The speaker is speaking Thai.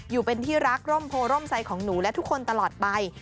อยู่เป็นที่รักร่มโพร่มใจของหนูและทุกคนตลอดไป